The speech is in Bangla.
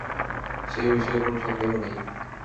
সেবিষয়ে কোনো সন্দেহ নেই।